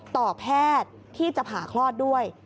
แพทย์ที่จะผ่าคลอดด้วย